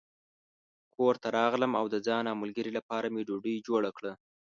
کور ته راغلم او د ځان او ملګري لپاره مې ډوډۍ جوړه کړه.